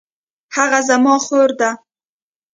هغه زما خور ده